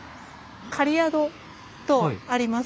「狩宿」とあります。